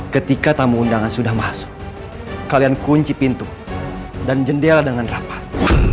ketika tamu undangan sudah masuk kalian kunci pintu dan jendela dengan rapat